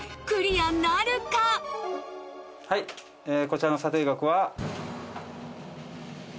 こちらの査定額は。